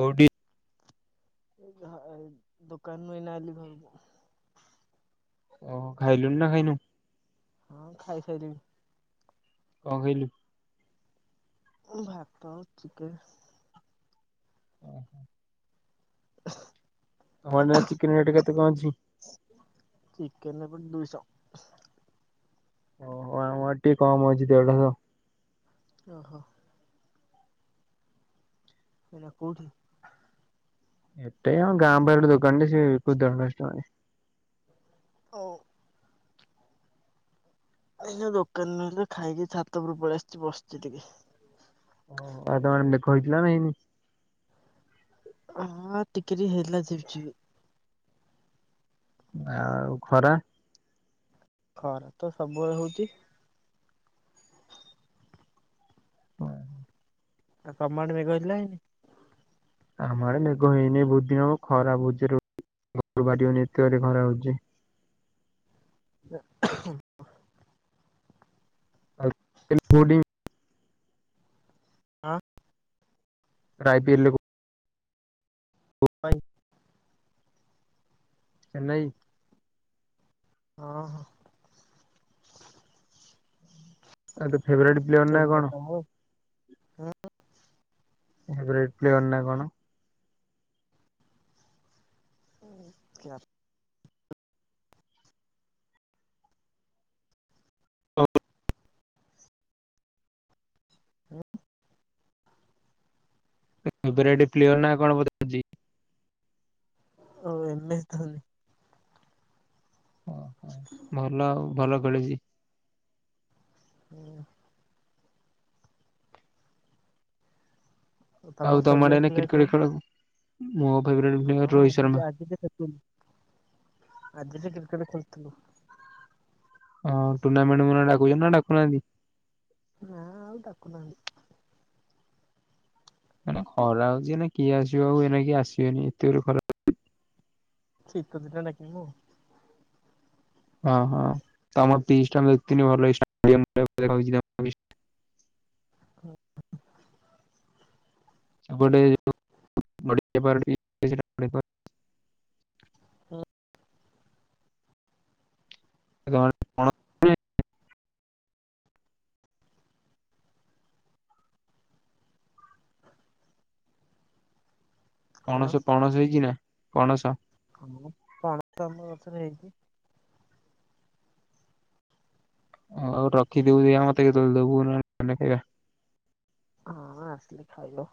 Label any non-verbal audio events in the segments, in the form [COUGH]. କୋଉଠି ଏଇ ଘ ଦୋକାନୁ ଏଇନା ଆଇଲି ଘରକୁ। ଓହୋ ଖାଇଲୁନା ଖାଇନୁ? ହଁ ଖାଇସାଇଲିଣି। କଣ ଖାଇଲୁ? ଉ ଭାତ ଚିକେନ୍। ଓହୋ। [INAUDIBLE] ତମଆଡ଼େ ଏଇନା ଚିକେନ୍ ରେଟ୍ କେତେ କଣ ଅଛି? ଚିକେନ୍ ଏପଟେ ଦୁଇଶହ। ଓହୋ ଆମର ଏଠି ଟିକେ କମ୍ ଅଛି ଦେଢଶହ। ଓହୋ। ଏଇନା କଉଠି? ଏବେ ଆମ ଗାଁ ପାଖରେ ଗୋଟେ ଦୋକାନଟେ ସେ ବିକୀଚିତ ଦେଢଶହ ଟଙ୍କାରେ। ଓ ଏଇନା ଦୋକାନରୁ ଆଇଲି ଖାଇକି ଛାତ ଉପରକୁ ପଳିଆସିଚି ବସିଚି ଟିକେ। ଓହୋ ଆଉ ତମ ଆଡ଼େ ମେଘ ହେଇଥିଲାନା ହେଇନି? ହଁ ଟିକେ ଟିକେ ହେଇଥିଲା ଝିପି ଝିପି। ଆଉ ଖରା। ଖରାତ ସବୁବେଳେ ହଉଚି। ହୁଁ। ଆଉ ତମ ଆଡ଼େ ମେଘ ହେଇଥିଲାନା ହେଇନି? ଆମ ଆଢେ ମେଘ ହେଇନି ବହୁତ୍ ଦିନ ହବ ଖରା ଭୋଉତଯୋରେ [UNINTELLIGIBLE] ଘରୁ ବାହାରି ହୋଉନି ଏତେ ଯୋରେ ଖରା ହଉଚିଯେ। [UNINTELLIGIBLE] [UNINTELLIGIBLE] ଆଁ। ରାପିଏଲ୍ କୋ [UNINTELLIGIBLE] ଚେନ୍ନାଇ। ହଁ ହଁ। ଆଉ ତୋ ଫେବରାଇଟ୍ ଚେନ୍ନାଇ ତ [UNINTELLIGIBLE] ଫେବରାଇଟ୍ ପ୍ଲେୟର ନାକଣ? [UNINTELLIGIBLE] [UNINTELLIGIBLE] ଉଁ। ତୋ ଫେଭରାଇଟି୍ ପ୍ଲେୟାର ନାକଣ ପଚାରୁଚି। ଓ ଏମିତି ତାହାଲେ। [INAUDIBLE] ଭଲ ଆଉ ଭଲ ଖେଳୁଚି। ହୁଁ। ଆଉ ତମ ଆଡେ ଫେଭରାଇଟି ଏଇନା ପ୍ଲେୟର କ୍ରିକେଟ କଣ? ଖେଳ ମୋ ଫେବରେଟ ହଁ ଆଜି ବି ଆଜି ବି ଖେଳୁଥିଲୁ। ଆଜି ବି କ୍ରିକେଟ ଖେଳୁଥିଲୁ। ହଁ ଟୁର୍ଣ୍ଣମଣ୍ଟ ମୋନା ରେଡାକୁଚନ୍ତି ନା ଡାକୁନାହାନ୍ତି? ନା ଆଉ ଡାକୁନାହାନ୍ତି। ମାନେ ଖରା ହେଉଛିଏନାକେ କିଏ ଆସିବ ଆଉ ଏ ନାକେକି ଆସିବେନି ଏତେଗୁରେ ଖରା। ଶୀତ ଦିନ ଡାକି ମୁଁ। ହଁ ହଁ ତମ ପିିଚ୍ ଟା ମୁ ଦେଖିଥିନି। ଭଲ ଭଲହେଇଥିଲା ଦେଖାଯାଉଛି। ଏପଟେ ଏ ଯୋଉ [UNINTELLIGIBLE] ହଁ। କଣ। କଣ ପଣସ ପଣସ ହେଇଛିି ନା। ପଣସ? ହାଲେ। ପଣସ ଆମ ଗଛରେ ହେଇଛି। ହଉ ରଖିଥିବୁଦେଖିଆ ମତେ କେତେ ଦବୁହେନେ ଖାଇବା। ହଁ ଆସିଲେ ଖାଇବ।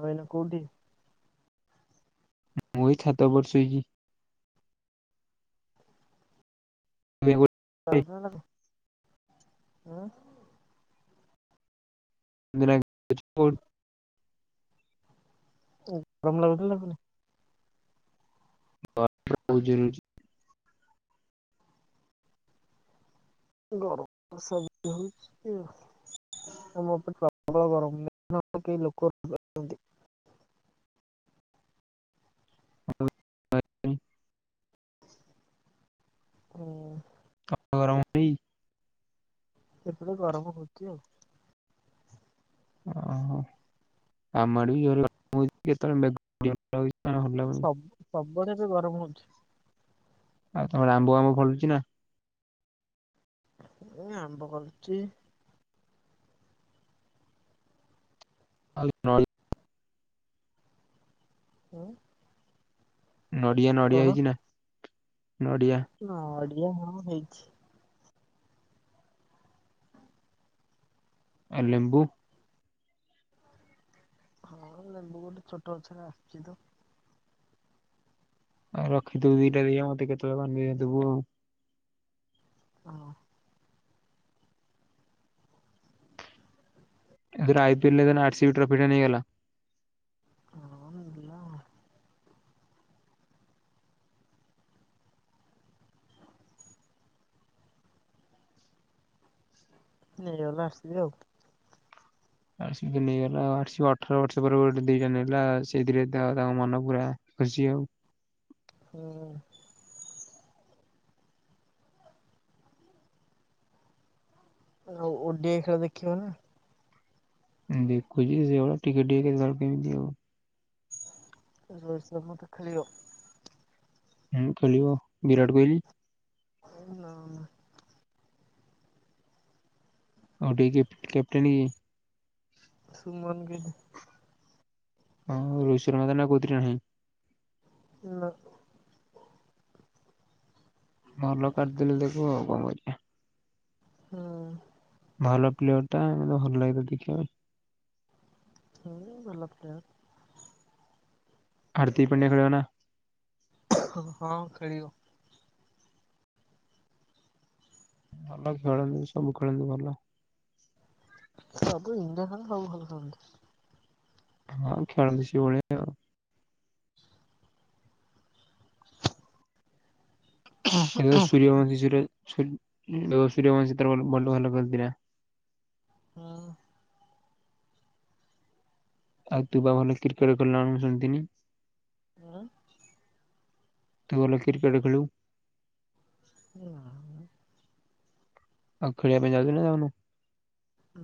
ଆଉ ଏଇନା କୋଉଠି? ମୁଁ ଏଇ ଛାତ ଉପରେ ଶୋଇଚି। [INAUDIBLE] ଆଁ। [INAUDIBLE] ଉଁ ଗରମ ଲାଗୁଚି ନାଁ ଲାଗୁନେଇ? [INAUDIBLE] ଗରମ ତ ସବୁଠି ହେଉଛି ଆଉ। [INAUDIBLE] [INAUDIBLE] ହୁଁ। ହ ଅ ର ବି। ଏପଟେ ଗରମ ହଉଛି ଆଉ। ଓହ। ଆମ ଆଡ଼େ ବି ଜୋରେ ଗରମ ହେଉଚି କେତୋଳେ ମେଘ [INAUDIBLE] ସବୁ ସବୁଆଡ଼େ ଏବେ ଗରମ ହେଉଛି। ଆଉ ତମର ଆମ୍ବ ଫାମ୍ବ ଫଳୁଚି ନା? ଏଁ ଆମ୍ବ କରୁଚି। [INAUDIBLE] ହୁଁ। ନଡ଼ିଆ ନଡ଼ିଆ ହେଇଚି ନା ନଡ଼ିଆ? ନଡିଆ ହଁ ହେଇଚି। ଆ ଲେମ୍ବୁ? ହଁ ଲେମ୍ବୁ ଗୋଟେ ଛୋଟ ଗଛରେ ଆସିଚି ତ। ଆଉ ରଖିଥୁବୁ ଦିଟା ଦେଖିଆ ମତେ କେତୋଳେ ଗଲେ ଦବୁ ଆଉ। ହଁ। ଏଥର ଆଇ ପି ଏଲ ରେ ତାନେ ଆର୍ ସି ବି ଟ୍ରଫିଟା ନେଇଗଲା। ହଁ ନେଇଗଲା ଆଉ। ନେଇଗଲା ଆର୍ ସି ବି ଆଉ। ଆର୍ ସି ବି ନେଇଗଲା ଆଉ ଆର୍ ସି ବି ଅଠର ବର୍ଷ ପରେ ଗୋଟେ ଦିଟା ନେଲା ସେଇଥିରେ ଏକା ତାଙ୍କ ମନ ପୁରା ଖୁସି ଆଉ। ହଁ। ଆଉ ଓଡିଆଇ ଖେଳ ଦେଖିଲନି। ଉଁ, ଦେଖୁଚି ଯେ ସେଇଭଳିଆ ଟିକେ ଟିକେ କେତବେଳେ କେମିତି ଆଉ। ଏ ବର୍ଷ ମୋତେ ଖେଳିଳ। ହୁଁ, ଖେଳିବ ବିରାଟ କୋହିଲି? ହଉ ନ ନା। ଓଡିଆଇ କେପ୍ କ୍ୟାପଟେନ୍ କିଏ? ସୁମନ ଗିଲ୍। ହଁ ରୋହିତ ଶର୍ମା ତାନେ ଆଉ କୋଉଥିରେ ନାହିଁ? ନା। ଭଲ କାଡଦେଲେ ତାକୁ ଆଉ କଣ କରିବା। ହଁ। ଭଲ ପ୍ଲେୟର୍ ଟା ଆ ମୋତେ ଭଲ ଲାଗେ ତାକୁ ଦେଖିବା ପାଇଁ। ହଁ ଭଲ ପ୍ଲେୟାର୍। ହାର୍ଦ୍ଦିକ ପାଣ୍ଡିଆ ଖେଳିବ ନା? ହଁ ହଁ ଖେଳିବ। ଭଲ ଖେଳନ୍ତି ସବୁ ଖେଳନ୍ତି ଭଲ। ସବୁ ଇଣ୍ଡିଆ ଖେଳ ସବୁ ଭଲ ଖେଳନ୍ତି। ହଁ ଖେଳନ୍ତି ସେଇ ଭଳିଆ ଆଉ। ଏଥର ସୂରିୟବଂଶୀ ସୁରେ ସୂ- ର-ସୂରିୟବଂଶୀ ତାର ଭଲ ବଲୁ ଭଲ ଖେଳିଥିଲା। ହଁ। ଆଉ ତୁ ପା ଭଲ କ୍ରିକେଟ୍ ଖେଳୁ ନା କଣ ମୁଁ ଶୁଣିଥିନି? ଆଁ, ତୁ ଭଲ କ୍ରିକେଟ୍ ଖେଳୁ। ନା ମୋ। ଆଉ ଖେଳିବା ପାଇଁ ଯାଉଚୁ ନା ଯାଉନୁ?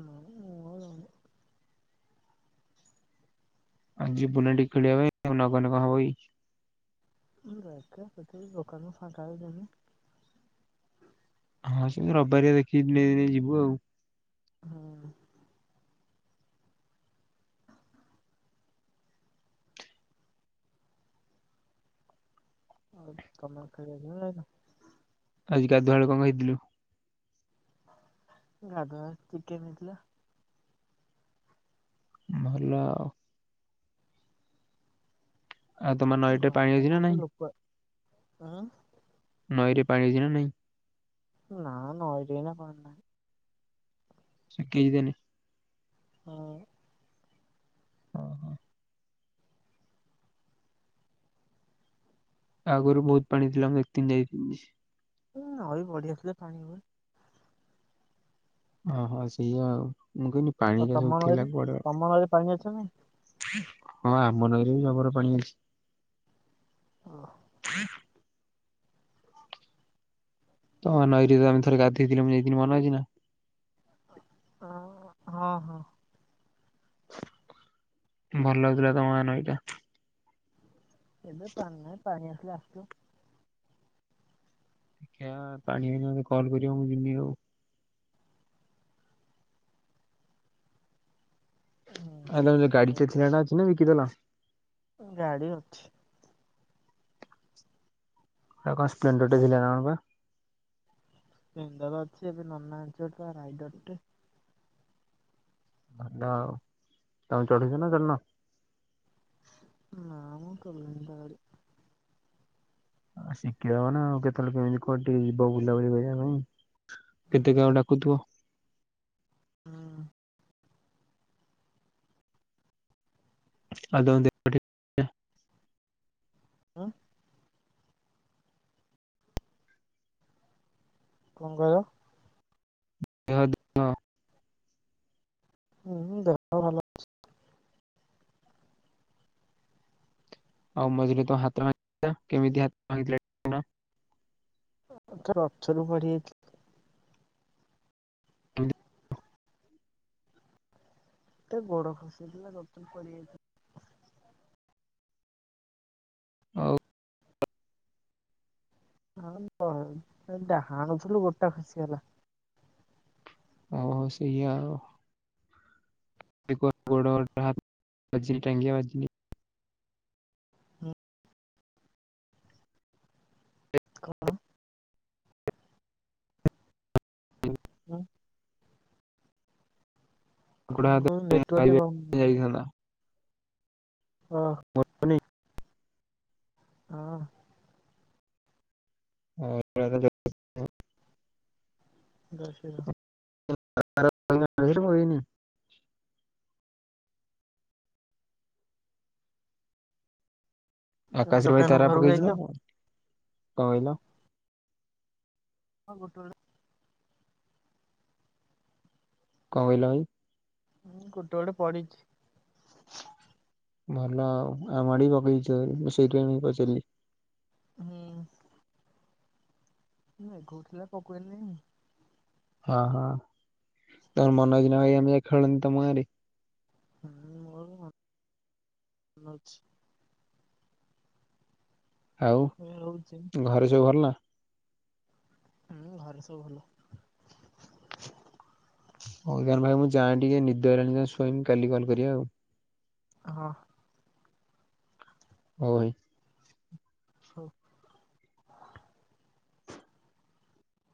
ନା ମୁଁ ଆଉ ଯାଉନି। ହଁ ଯିବୁନା ଟିକେ ଖେଳିବା ପାଇଁ ଆଉ ନ ଗନେ କଣ ହବ କି। ହୁଁ, ଦେଖିଆ କେତେଳେ ଦୋକାନରୁ ଫାଙ୍କା ହେଲେ ଯିମି। ହଁ ସେମତି ରବବାରିଆ ଦେଖିକି ଦିନେ ଦିନେ ଯିବୁ ଆଉ। ହଁ। ତୋମେ ଆଉ ଖେଳିବା [UNINTELLIGIBLE] ଯାଇନ? ଆଜିି ଗାଧୁଆ ବେଳେ କଣ ଖାଇଥିଲୁ? ଗାଧୁଆବେଳେ ଚିକେନ୍ ହେଇଥିଲା। ଭଲ ଆଉ। ଆ, ତୋମ ନଈ ଟେ ଘର ପାଣି ଅଛି ନା କାମ ତ ନାହିଁ? ଲୋକ ଉଁ ନଈରେ ପାଣି ଅଛି ନା ନାଇଁ? ନା ନଈରେ ଏଇନା ପାଣି ନାହିଁ। ଶୁଖି ଯାଇଚି ତାହେନେ? ହଁ। ଓହୋ ଆଗରୁ ବହୁତ ପାଣି ଥିଲା ମୁଁ ଦେଖିଥିନି ଯାଇକି। ଏ ନଈ ବଢି ଆସିଲେ ପାଣି ହୁଏ। ଓହୋ, ସେଇଆ ଆଉ ମୁଁ କହିନି ଆଉ ତୋମ ନଈରେ, ତୋମ ନଈରେ ପାଣି ଅଛି ନା ନାହିଁ? ହଁ ଆମ ନଈରେ ବି ଜବର ପାଣି ଅଛି। ହଁ। ତମ ନଈରେ ଆମେ ଥରେ ଗାଧେଇଥିଲେ ମୁଁ ଯାଇଥିଲି ମନ ଅଛି ନା? ଅ-ଅ-ଅ ହଁ ହଁ। ଭଲ ଲାଗୁଥିଲା ତମ ଗାଁ ନଈଟା। ଏବେ ପାଣି ନାଁଇ ପାଣି ଆସିଲେ ଆସିବ। ଦେଖିବା ପାଣି ହେଲେ କଲ୍ କରିବ ମୁଁ ଯିବି ଆଉ। ହୁଁ। ଆ ତମର ଯୋଉ ଗାଡି ଟା ଥିଲା ନା ଅଛି ନା ବିକି ଦେଲ? ଉ ଗାଡି ଅଛି। ଆଉ କଣ ସ୍ପ୍ଲେଣ୍ଡର ଟା ଥିଲା ନା କଣ ପା? ସ୍ପ୍ଲେଣ୍ଡର ଅଛି ଏବେ ନନା ଆଣିଛି ପା ରାଇଡରଟେ। ଆ ୱଓ ତମେ ଚଢୁଛ ନା ଚଢ଼ୁନ? ନା ମ ପ୍ରୋବ୍ଲେମ ତା ଆଡୁ। ଆ ଶିଖେଇବ ନା ଆଉ କେତେବେଳେ କେମିତି କଉଠିକି ଯିବ ବୁଲାବୁଲି କରିବା ପାଇଁ। ହୁଁ କେତେ କାହାଙ୍କୁ ଡାକୁଥିବି। ହୁଁ। ପାଦ ଦେ ଆଁ କଣ କହିଲ? [UNINTELLIGIBLE] ହୁଁ-ଉ-ଉ ଦେହ ପା ଭଲ। ଆଉ ମଝିରେ ତୋ ହାତ ଭାଙ୍ଗିଥିଲା କେମିତି ହାତ ଭାଙ୍ଗିଥିଲା? ଟିକେ କହୁନ? ଏଥର ରଥରୁ ପଡିଯାଇଥିଲି। [UNINTELLIGIBLE] ଏତେ ଗୋଡ ଖସିଗଲା ରଥ ରୁ ପଡିଯାଇଥିଲି। ହଉ। ହଁ [UNINTELLIGIBLE] ଏ ଡାହାଣୁଥିଲୁ ଗୋଡଟା ଖସିଗଲା। ଓ ହୋ ସେଇଆ ଆଉ। [UNINTELLIGIBLE] ଗୋଡଟା ବାଜି ଟେଙ୍ଗିଆ ବାଜିଲ। ହୁଁ। କଣ? ଉଁ। କଣ କହିଲୁ ନେଟୱାର୍କ ଟିକେ ପାଉନି। କି ହେଲା? ହଁ। [UNINTELLIGIBLE] ଆ-ଆ। ହଁ [UNINTELLIGIBLE] ଜୟ ଶ୍ରୀ ରାମ। [UNINTELLIGIBLE] ଆକାଶରେ ଭାଇ ଦୋକାନରୁ ତାରା ଘରକୁ ପକେଇଛି ଯାଇଛ? ନା କଣ, କଣ କହିଲ? ହଁ ଗୋଟେ ଗୋଟେ କଣ କହିଲ ଭାଇ? ହୁଁ ଗୋଟେ ଗୋଟେ ପଡିଛି। ଭଲ ଆଉ ଆମ ଆଡେ ବି ପକେଇଛି ଯେ ମୁଁ ସେଇଥିପାଇଁ ମୁଁ ପଚାରିଲି। ହୁଁ ମେଘ ଉଠେଇଲା ପକେଇନି। ହଁ ହଁ ତୋର ମନ ଅଛି ନାଁ ଭାଇ ଆମେ ଖେଳନ୍ତି ତମ ଗାଁ ରେ? ହୁଁ ହୁ ମୋର ମନ ଅଛି [INAUDIBLE] ଆଉ। ଏ ରହୁଛି [UNINTELLIGIBLE] ଘରେ ସବୁ ଭଲ ନା? ହୁଁ ଘରେ ସବୁ ଭଲ। ହଉ ଜ୍ଞାନ ଭାଇ ମୁଁ ଯାଏଁ ଟିକେ ନିଦଆଇଲାଣି ଯାଏଁ ଶୋଇବି କାଲି କଲ୍ କରିବା ଆଉ। ହଁ। ହଉ ଭାଇ। ହଉ [INAUDIBLE]